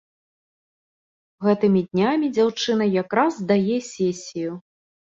Гэтымі днямі дзяўчына якраз здае сесію.